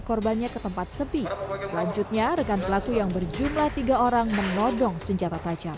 korbannya ke tempat sepi selanjutnya rekan pelaku yang berjumlah tiga orang menodong senjata tajam